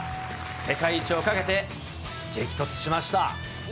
世界一をかけて激突しました。